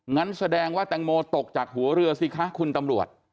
งั้นแสดงว่าแตงโมตกจากหัวเรือสิคะคุณตำรวจ